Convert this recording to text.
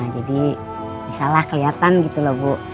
jadi misalnya kelihatan gitu loh bu